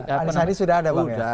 anisandi sudah ada bang ya